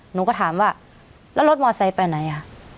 หนูก็ถามว่าแล้วรถมอเซ็นต์ไปไหน